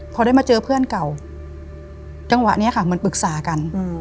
พอได้มาเจอเพื่อนเก่าจังหวะนี้ค่ะเหมือนปรึกษากัน